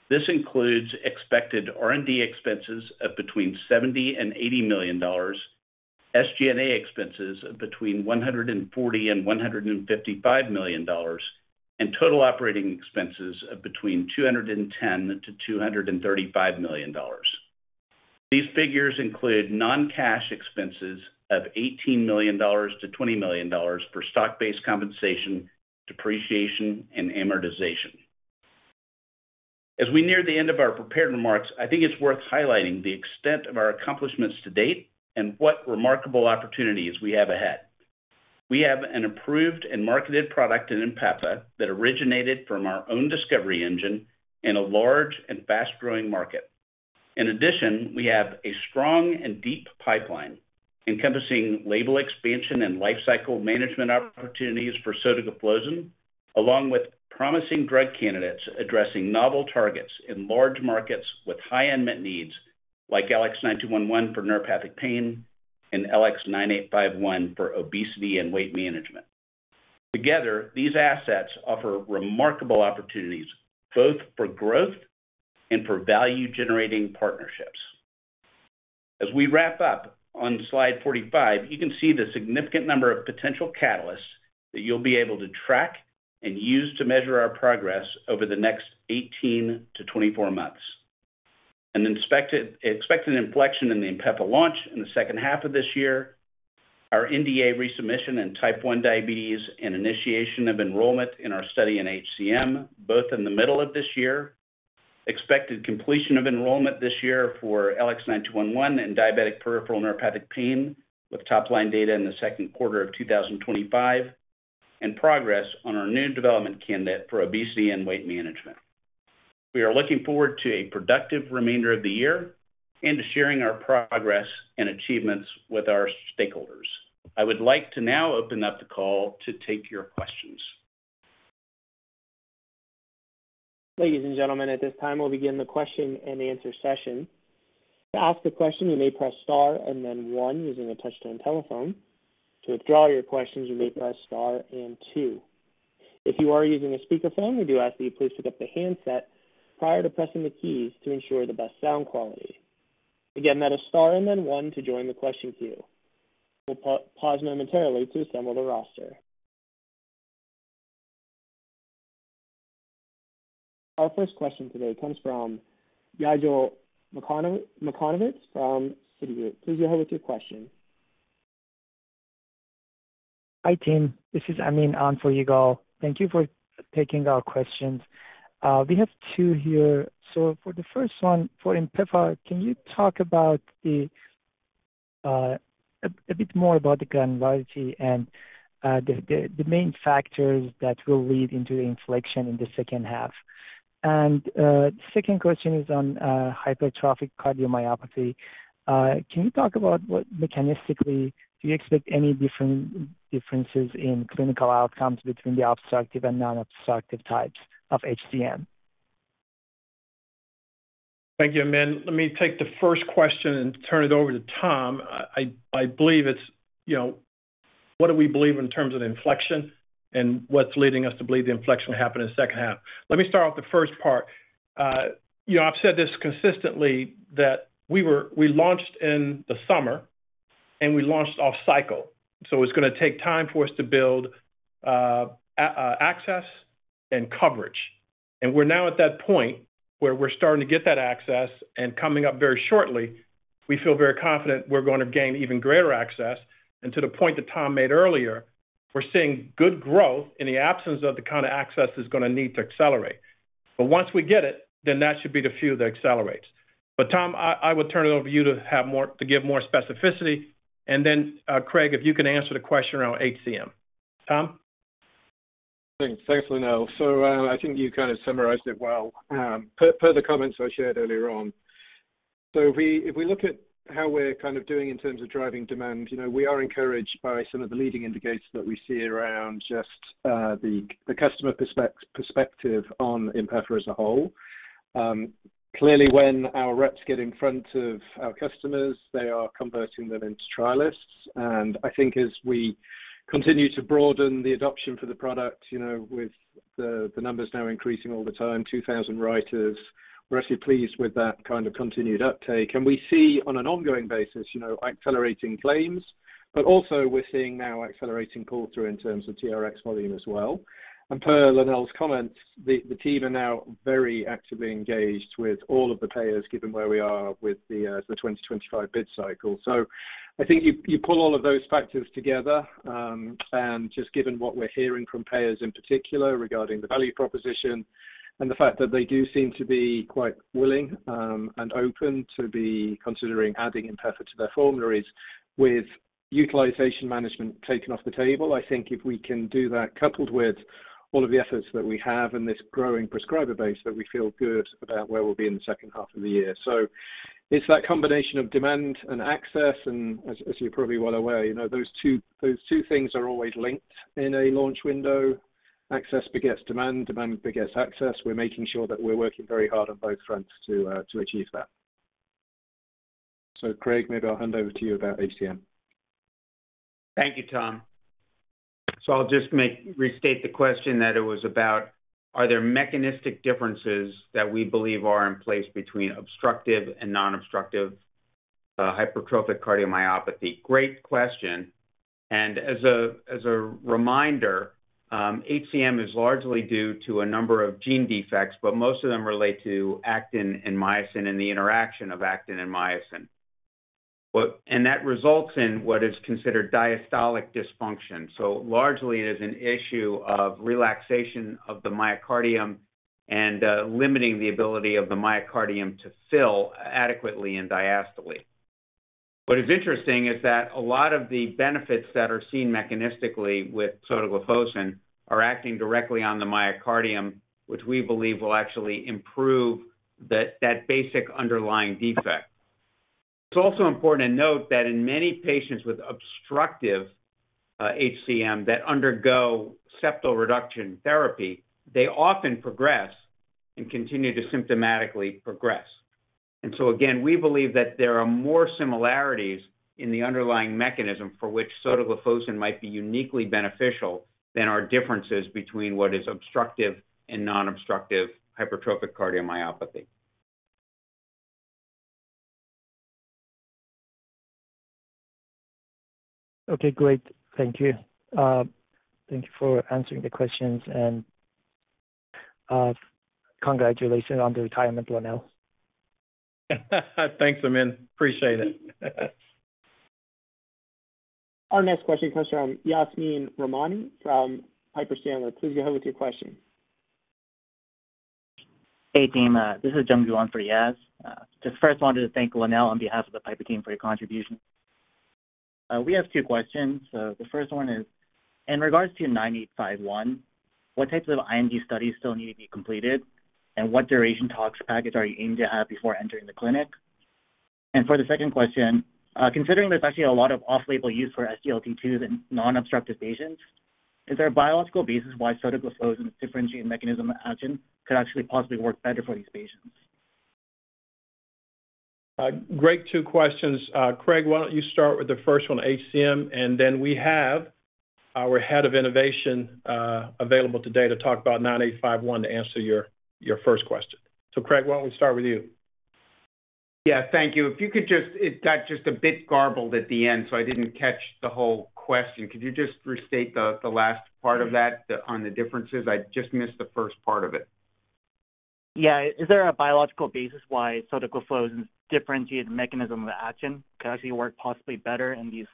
This includes expected R&D expenses of between $70 million-$80 million, SG&A expenses of between $140 million-$155 million, and total operating expenses of between $210 million-$235 million. These figures include non-cash expenses of $18 million-$20 million for stock-based compensation, depreciation, and amortization. As we near the end of our prepared remarks, I think it's worth highlighting the extent of our accomplishments to date and what remarkable opportunities we have ahead. We have an approved and marketed product in INPEFA that originated from our own discovery engine in a large and fast-growing market. In addition, we have a strong and deep pipeline encompassing label expansion and lifecycle management opportunities for sotagliflozin, along with promising drug candidates addressing novel targets in large markets with high unmet needs like LX9211 for neuropathic pain and LX9851 for obesity and weight management. Together, these assets offer remarkable opportunities both for growth and for value-generating partnerships. As we wrap up on slide 45, you can see the significant number of potential catalysts that you'll be able to track and use to measure our progress over the next 18-24 months. An expected inflection in the INPEFA launch in the second half of this year, our NDA resubmission and type 1 diabetes, and initiation of enrollment in our study in HCM, both in the middle of this year, expected completion of enrollment this year for LX9211 in diabetic peripheral neuropathic pain with top-line data in the second quarter of 2025, and progress on our new development candidate for obesity and weight management. We are looking forward to a productive remainder of the year and to sharing our progress and achievements with our stakeholders. I would like to now open up the call to take your questions. Ladies and gentlemen, at this time, we'll begin the question and answer session. To ask a question, you may press star and then one using a touch-tone telephone. To withdraw your questions, you may press star and two. If you are using a speakerphone, we do ask that you please pick up the handset prior to pressing the keys to ensure the best sound quality. Again, that is star and then one to join the question queue. We'll pause momentarily to assemble the roster. Our first question today comes from Yigal Nochomovitz from Citigroup. Please go ahead with your question. Hi, team. This is Amin [Faeh] on for Yigal Nochomovitz. Thank you for taking our questions. We have two here. So for the first one, for INPEFA, can you talk about a bit more about the granularity and the main factors that will lead into the inflection in the second half? And the second question is on hypertrophic cardiomyopathy. Can you talk about what mechanistically do you expect any differences in clinical outcomes between the obstructive and non-obstructive types of HCM? Thank you, Amin. Let me take the first question and turn it over to Tom. I believe it's what do we believe in terms of inflection and what's leading us to believe the inflection will happen in the second half? Let me start off the first part. I've said this consistently, that we launched in the summer, and we launched off-cycle. So it's going to take time for us to build access and coverage. And we're now at that point where we're starting to get that access, and coming up very shortly, we feel very confident we're going to gain even greater access. And to the point that Tom made earlier, we're seeing good growth in the absence of the kind of access that's going to need to accelerate. But once we get it, then that should be the fuel that accelerates. But Tom, I would turn it over to you to give more specificity. And then, Craig, if you can answer the question around HCM. Tom? Thanks for the note. So I think you kind of summarized it well per the comments I shared earlier on. So if we look at how we're kind of doing in terms of driving demand, we are encouraged by some of the leading indicators that we see around just the customer perspective on INPEFA as a whole. Clearly, when our reps get in front of our customers, they are converting them into trialists. And I think as we continue to broaden the adoption for the product with the numbers now increasing all the time, 2,000 writers, we're actually pleased with that kind of continued uptake. And we see on an ongoing basis accelerating claims, but also we're seeing now accelerating pull-through in terms of TRX volume as well. Per Lonnel's comments, the team are now very actively engaged with all of the payers, given where we are with the 2025 bid cycle. I think you pull all of those factors together. Just given what we're hearing from payers in particular regarding the value proposition and the fact that they do seem to be quite willing and open to be considering adding INPEFA to their formularies with utilization management taken off the table, I think if we can do that coupled with all of the efforts that we have and this growing prescriber base that we feel good about where we'll be in the second half of the year. It's that combination of demand and access. As you're probably well aware, those two things are always linked in a launch window. Access begets demand. Demand begets access. We're making sure that we're working very hard on both fronts to achieve that. So Craig, maybe I'll hand over to you about HCM. Thank you, Tom. So I'll just restate the question that it was about, are there mechanistic differences that we believe are in place between obstructive and non-obstructive hypertrophic cardiomyopathy? Great question. And as a reminder, HCM is largely due to a number of gene defects, but most of them relate to actin and myosin and the interaction of actin and myosin. And that results in what is considered diastolic dysfunction. So largely, it is an issue of relaxation of the myocardium and limiting the ability of the myocardium to fill adequately and diastolic. What is interesting is that a lot of the benefits that are seen mechanistically with sotagliflozin are acting directly on the myocardium, which we believe will actually improve that basic underlying defect. It's also important to note that in many patients with obstructive HCM that undergo septal reduction therapy, they often progress and continue to symptomatically progress. And so again, we believe that there are more similarities in the underlying mechanism for which sotagliflozin might be uniquely beneficial than our differences between what is obstructive and non-obstructive hypertrophic cardiomyopathy. Okay, great. Thank you. Thank you for answering the questions. Congratulations on the retirement, Lonnel. Thanks, Amin. Appreciate it. Our next question comes from Yasmeen Rahimi from Piper Sandler. Please go ahead with your question. Hey, Team. This is John Geelan from Piper Sandler. Just first wanted to thank Lonnel on behalf of the Piper Sandler team for your contribution. We have two questions. So the first one is, in regards to 9851, what types of IND studies still need to be completed, and what duration tox package are you aiming to have before entering the clinic? And for the second question, considering there's actually a lot of off-label use for SGLT2s in non-obstructive patients, is there a biological basis why sotagliflozin's differentiating mechanism of action could actually possibly work better for these patients? Great, two questions. Craig, why don't you start with the first one, HCM? And then we have our head of innovation available today to talk about 9851 to answer your first question. So Craig, why don't we start with you? Yeah, thank you. If you could just, it got just a bit garbled at the end, so I didn't catch the whole question. Could you just restate the last part of that on the differences? I just missed the first part of it. Yeah. Is there a biological basis why sotagliflozin's differentiating mechanism of action could actually work possibly better in these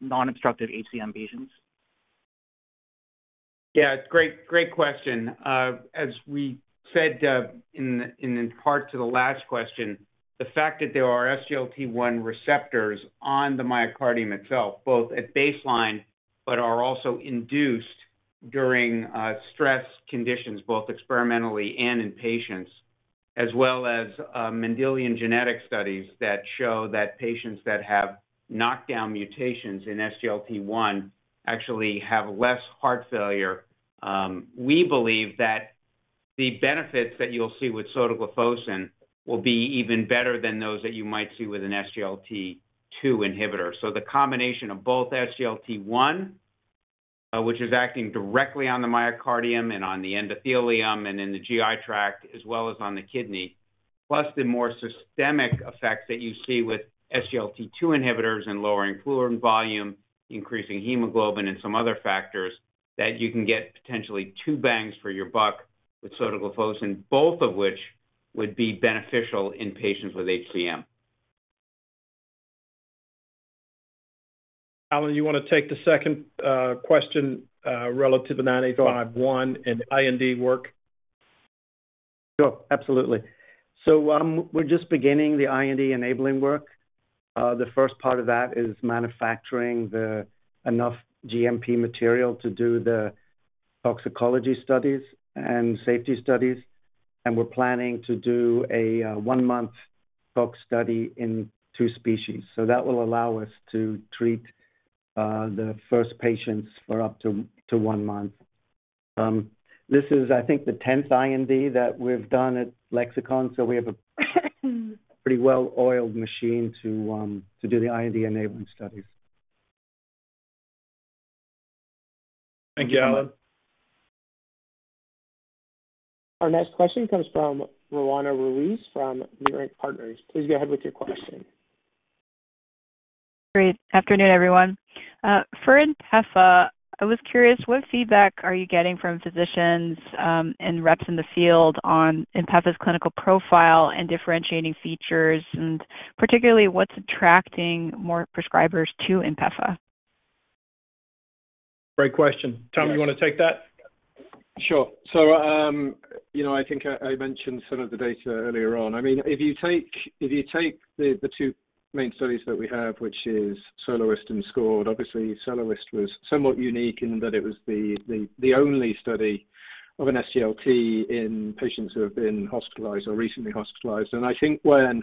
non-obstructive HCM patients? Yeah, great question. As we said in part to the last question, the fact that there are SGLT1 receptors on the myocardium itself, both at baseline but are also induced during stress conditions, both experimentally and in patients, as well as Mendelian genetic studies that show that patients that have knockdown mutations in SGLT1 actually have less heart failure, we believe that the benefits that you'll see with sotagliflozin will be even better than those that you might see with an SGLT2 inhibitor. So the combination of both SGLT1, which is acting directly on the myocardium and on the endothelium and in the GI tract, as well as on the kidney, plus the more systemic effects that you see with SGLT2 inhibitors in lowering fluid volume, increasing hemoglobin, and some other factors, that you can get potentially two bangs for your buck with sotagliflozin, both of which would be beneficial in patients with HCM. Alan, you want to take the second question relative to 9851 and IND work? Sure, absolutely. So we're just beginning the IND enabling work. The first part of that is manufacturing enough GMP material to do the toxicology studies and safety studies. And we're planning to do a one-month tox study in two species. So that will allow us to treat the first patients for up to one month. This is, I think, the 10th IND that we've done at Lexicon. So we have a pretty well-oiled machine to do the IND enabling studies. Thank you, Alan. Our next question comes from Roanna Ruiz from Leerink Partners. Please go ahead with your question. Good afternoon, everyone. For INPEFA, I was curious, what feedback are you getting from physicians and reps in the field on INPEFA's clinical profile and differentiating features, and particularly what's attracting more prescribers to INPEFA? Great question. Tom, you want to take that? Sure. So I think I mentioned some of the data earlier on. I mean, if you take the two main studies that we have, which is SOLOIST and SCORED, obviously, SOLOIST was somewhat unique in that it was the only study of an SGLT in patients who have been hospitalized or recently hospitalized. And I think when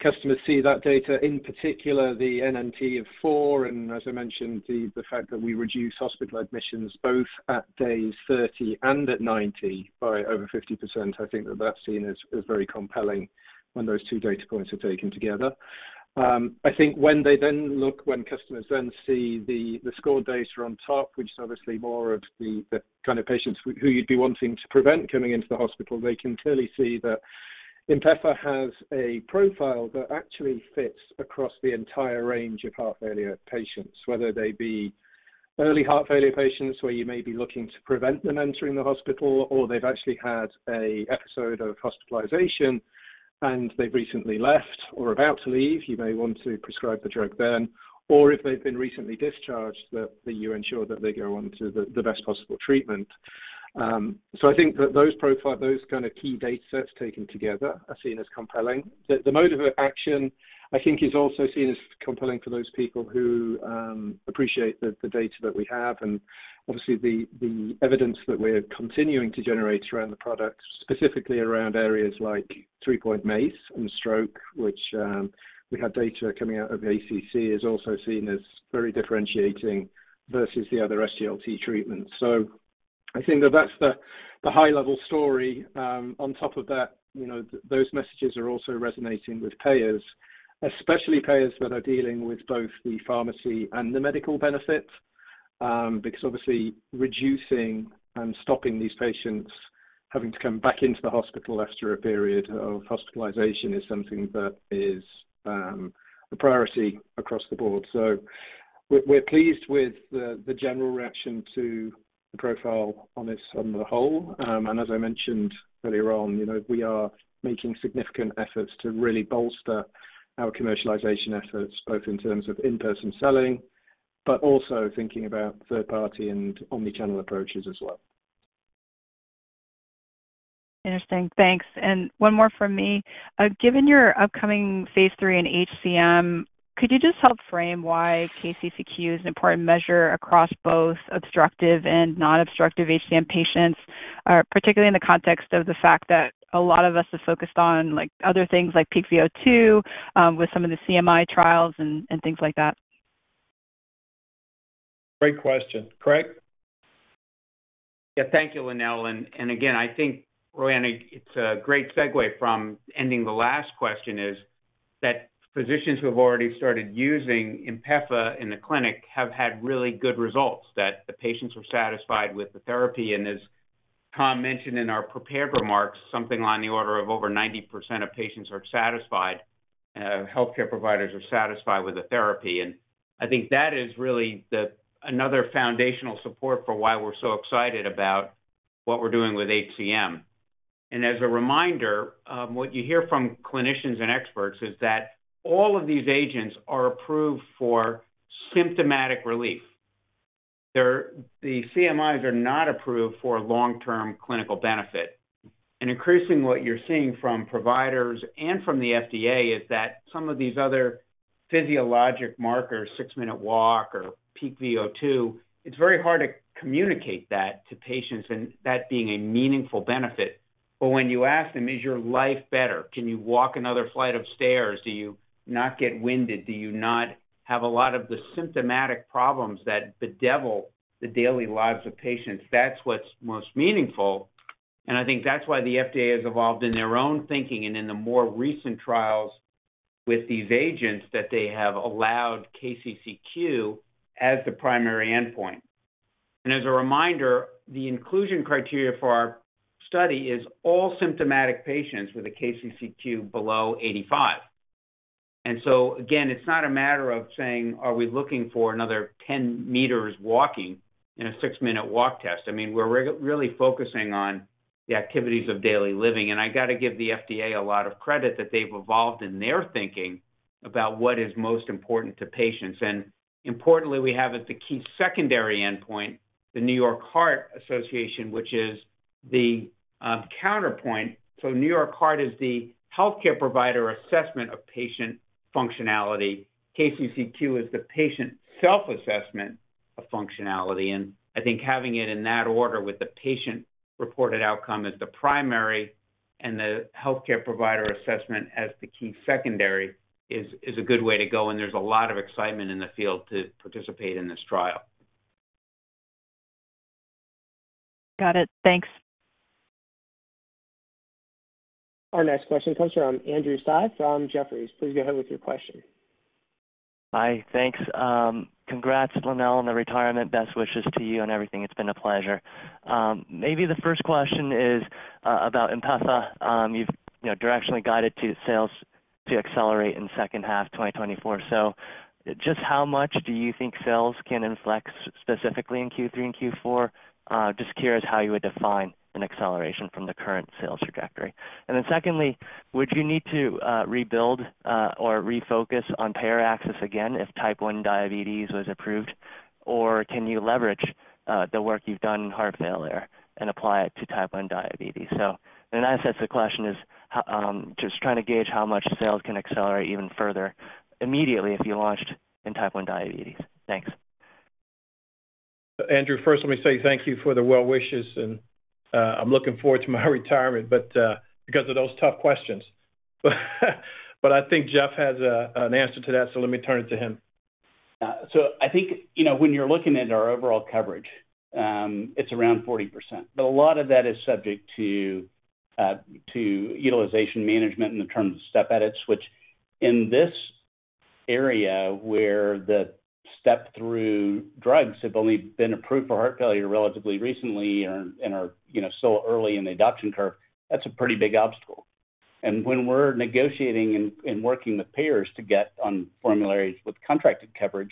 customers see that data, in particular the NNT of four and, as I mentioned, the fact that we reduce hospital admissions both at days 30 and at 90 by over 50%, I think that that's seen as very compelling when those two data points are taken together. I think when they then look when customers then see the SCORED data on top, which is obviously more of the kind of patients who you'd be wanting to prevent coming into the hospital, they can clearly see that INPEFA has a profile that actually fits across the entire range of heart failure patients, whether they be early heart failure patients where you may be looking to prevent them entering the hospital, or they've actually had an episode of hospitalization and they've recently left or about to leave, you may want to prescribe the drug then, or if they've been recently discharged, that you ensure that they go on to the best possible treatment. So I think that those kind of key data sets taken together are seen as compelling. The mode of action, I think, is also seen as compelling for those people who appreciate the data that we have and obviously the evidence that we're continuing to generate around the product, specifically around areas like three-point MACE and stroke, which we have data coming out of the ACC, is also seen as very differentiating versus the other SGLT treatments. So I think that that's the high-level story. On top of that, those messages are also resonating with payers, especially payers that are dealing with both the pharmacy and the medical benefit because obviously, reducing and stopping these patients having to come back into the hospital after a period of hospitalization is something that is a priority across the board. So we're pleased with the general reaction to the profile on the whole. As I mentioned earlier on, we are making significant efforts to really bolster our commercialization efforts both in terms of in-person selling, but also thinking about third-party and omnichannel approaches as well. Interesting. Thanks. One more from me. Given your upcoming phase III in HCM, could you just help frame why KCCQ is an important measure across both obstructive and non-obstructive HCM patients, particularly in the context of the fact that a lot of us are focused on other things like peak VO2 with some of the CMI trials and things like that? Great question. Craig? Yeah, thank you, Lonnel. And again, I think, Roanna, it's a great segue from ending the last question is that physicians who have already started using INPEFA in the clinic have had really good results, that the patients are satisfied with the therapy. And as Tom mentioned in our prepared remarks, something on the order of over 90% of patients are satisfied, healthcare providers are satisfied with the therapy. And I think that is really another foundational support for why we're so excited about what we're doing with HCM. And as a reminder, what you hear from clinicians and experts is that all of these agents are approved for symptomatic relief. The CMIs are not approved for long-term clinical benefit. And increasingly, what you're seeing from providers and from the FDA is that some of these other physiologic markers, six-minute walk or peak VO2, it's very hard to communicate that to patients and that being a meaningful benefit. But when you ask them, "Is your life better? Can you walk another flight of stairs? Do you not get winded? Do you not have a lot of the symptomatic problems that bedevil the daily lives of patients?" That's what's most meaningful. And I think that's why the FDA has evolved in their own thinking and in the more recent trials with these agents that they have allowed KCCQ as the primary endpoint. And as a reminder, the inclusion criteria for our study is all symptomatic patients with a KCCQ below 85. So again, it's not a matter of saying, "Are we looking for another 10 m walking in a six-minute walk test?" I mean, we're really focusing on the activities of daily living. I got to give the FDA a lot of credit that they've evolved in their thinking about what is most important to patients. And importantly, we have at the key secondary endpoint, the New York Heart Association, which is the counterpoint. So New York Heart is the healthcare provider assessment of patient functionality. KCCQ is the patient self-assessment of functionality. And I think having it in that order with the patient-reported outcome as the primary and the healthcare provider assessment as the key secondary is a good way to go. And there's a lot of excitement in the field to participate in this trial. Got it. Thanks. Our next question comes from Andrew Tsai from Jefferies. Please go ahead with your question. Hi. Thanks. Congrats, Lonnel, on the retirement. Best wishes to you and everything. It's been a pleasure. Maybe the first question is about INPEFA. You've directionally guided sales to accelerate in second half 2024. So just how much do you think sales can inflect specifically in Q3 and Q4? Just curious how you would define an acceleration from the current sales trajectory. And then secondly, would you need to rebuild or refocus on payer access again if type 1 diabetes was approved, or can you leverage the work you've done in heart failure and apply it to type 1 diabetes? So in that sense, the question is just trying to gauge how much sales can accelerate even further immediately if you launched in type 1 diabetes. Thanks. Andrew, first, let me say thank you for the well wishes. I'm looking forward to my retirement because of those tough questions. I think Jeff has an answer to that. Let me turn it to him. Yeah. So I think when you're looking at our overall coverage, it's around 40%. But a lot of that is subject to utilization management in the terms of step edits, which in this area where the step-through drugs have only been approved for heart failure relatively recently and are still early in the adoption curve, that's a pretty big obstacle. And when we're negotiating and working with payers to get on formularies with contracted coverage,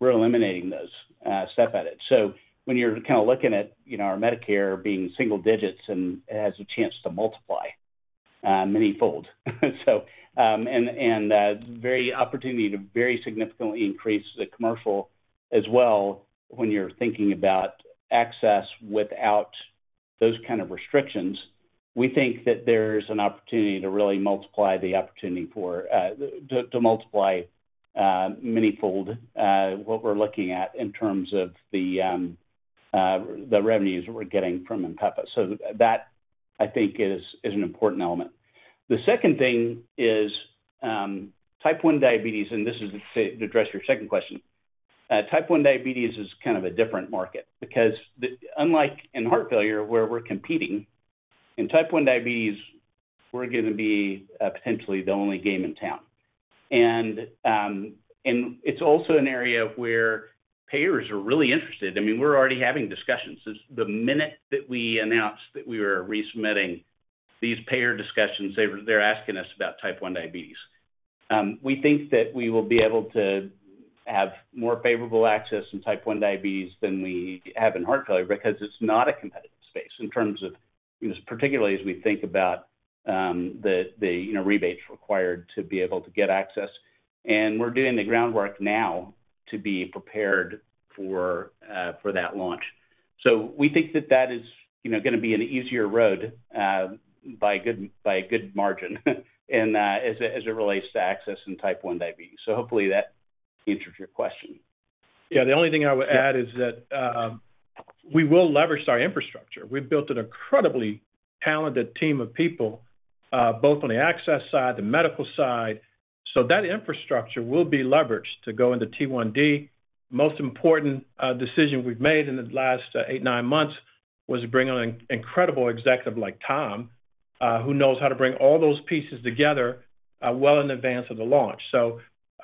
we're eliminating those step edits. So when you're kind of looking at our Medicare being single-digits and it has a chance to multiply manyfold, and opportunity to very significantly increase the commercial as well when you're thinking about access without those kind of restrictions, we think that there's an opportunity to really multiply the opportunity for to multiply manyfold what we're looking at in terms of the revenues that we're getting from INPEFA. So that, I think, is an important element. The second thing is type 1 diabetes and this is to address your second question. Type 1 diabetes is kind of a different market because unlike in heart failure where we're competing, in type 1 diabetes, we're going to be potentially the only game in town. And it's also an area where payers are really interested. I mean, we're already having discussions. The minute that we announced that we were resubmitting these payer discussions, they're asking us about type 1 diabetes. We think that we will be able to have more favorable access in type 1 diabetes than we have in heart failure because it's not a competitive space in terms of particularly as we think about the rebates required to be able to get access. And we're doing the groundwork now to be prepared for that launch. So we think that that is going to be an easier road by a good margin as it relates to access in type 1 diabetes. So hopefully, that answers your question. Yeah. The only thing I would add is that we will leverage our infrastructure. We've built an incredibly talented team of people both on the access side, the medical side. So that infrastructure will be leveraged to go into T1D. Most important decision we've made in the last eight, nine months was to bring on an incredible executive like Tom who knows how to bring all those pieces together well in advance of the launch.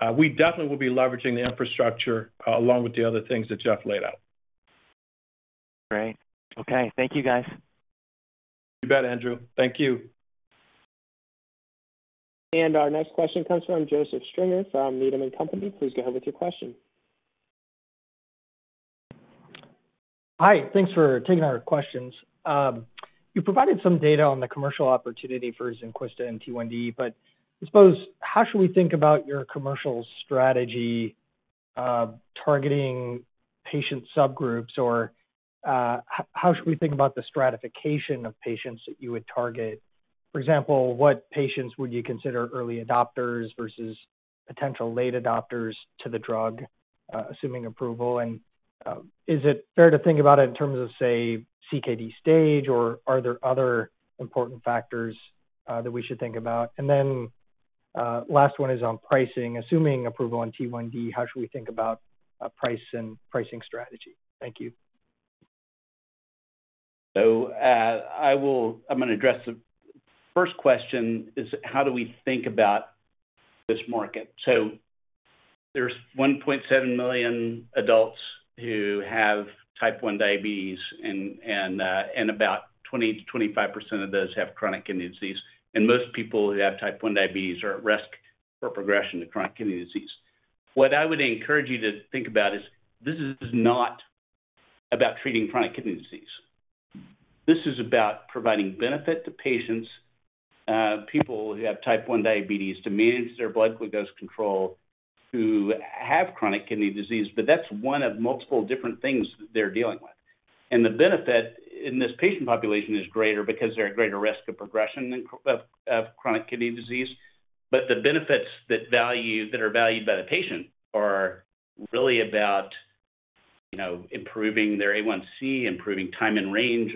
So we definitely will be leveraging the infrastructure along with the other things that Jeff laid out. Great. Okay. Thank you, guys. You bet, Andrew. Thank you. Our next question comes from Joseph Stringer from Needham & Company. Please go ahead with your question. Hi. Thanks for taking our questions. You provided some data on the commercial opportunity for Zynquista and T1D, but I suppose how should we think about your commercial strategy targeting patient subgroups, or how should we think about the stratification of patients that you would target? For example, what patients would you consider early adopters versus potential late adopters to the drug, assuming approval? And is it fair to think about it in terms of, say, CKD stage, or are there other important factors that we should think about? And then last one is on pricing. Assuming approval on T1D, how should we think about price and pricing strategy? Thank you. I'm going to address the first question is how do we think about this market? There's 1.7 million adults who have type 1 diabetes, and about 20%-25% of those have chronic kidney disease. Most people who have type 1 diabetes are at risk for progression to chronic kidney disease. What I would encourage you to think about is this is not about treating chronic kidney disease. This is about providing benefit to patients, people who have type 1 diabetes, to manage their blood glucose control who have chronic kidney disease. But that's one of multiple different things that they're dealing with. The benefit in this patient population is greater because they're at greater risk of progression of chronic kidney disease. But the benefits that are valued by the patient are really about improving their A1c, improving time in range,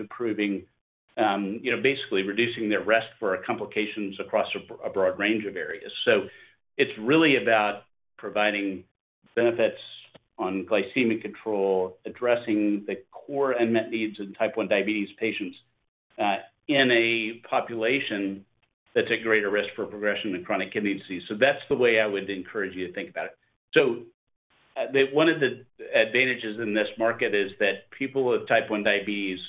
basically reducing their risk for complications across a broad range of areas. So it's really about providing benefits on glycemic control, addressing the core unmet needs in type 1 diabetes patients in a population that's at greater risk for progression of chronic kidney disease. So that's the way I would encourage you to think about it. So one of the advantages in this market is that people with type 1 diabetes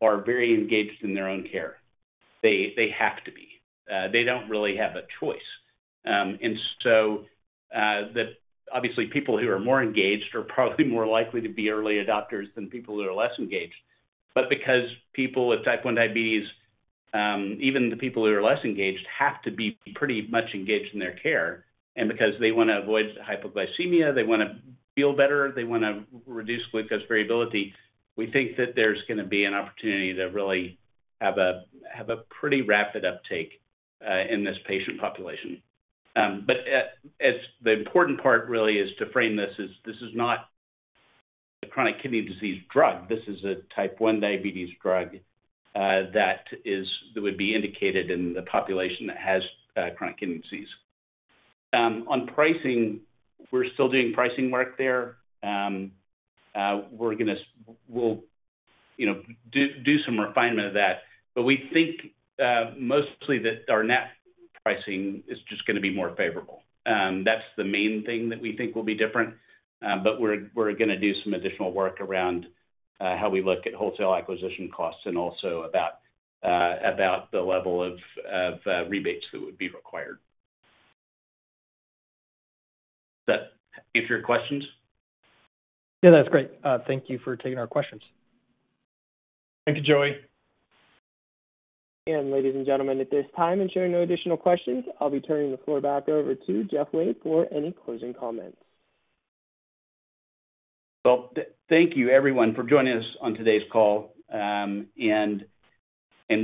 are very engaged in their own care. They have to be. They don't really have a choice. And so obviously, people who are more engaged are probably more likely to be early adopters than people who are less engaged. But because people with type 1 diabetes, even the people who are less engaged, have to be pretty much engaged in their care, and because they want to avoid hypoglycemia, they want to feel better, they want to reduce glucose variability, we think that there's going to be an opportunity to really have a pretty rapid uptake in this patient population. But the important part really is to frame this is this is not a chronic kidney disease drug. This is a type 1 diabetes drug that would be indicated in the population that has chronic kidney disease. On pricing, we're still doing pricing work there. We'll do some refinement of that. But we think mostly that our net pricing is just going to be more favorable. That's the main thing that we think will be different. But we're going to do some additional work around how we look at wholesale acquisition costs and also about the level of rebates that would be required. Does that answer your questions? Yeah, that's great. Thank you for taking our questions. Thank you, Joey. Ladies and gentlemen, at this time, ensuring no additional questions, I'll be turning the floor back over to Jeff Wade for any closing comments. Well, thank you, everyone, for joining us on today's call and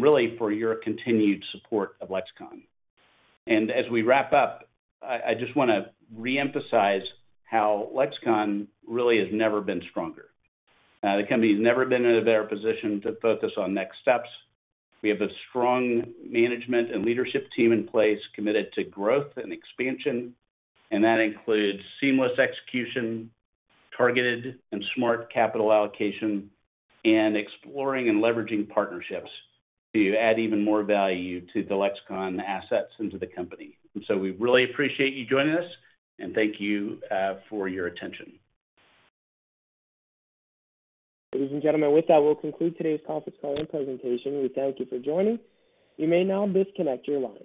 really for your continued support of Lexicon. And as we wrap up, I just want to reemphasize how Lexicon really has never been stronger. The company has never been in a better position to focus on next steps. We have a strong management and leadership team in place committed to growth and expansion. And that includes seamless execution, targeted and smart capital allocation, and exploring and leveraging partnerships to add even more value to the Lexicon assets into the company. And so we really appreciate you joining us, and thank you for your attention. Ladies and gentlemen, with that, we'll conclude today's conference call and presentation. We thank you for joining. You may now disconnect your line.